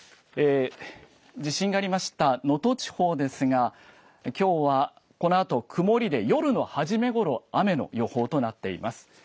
地震がありました能登地方ですがきょうはこのあと曇りで夜の初めごろ雨の予報となっています。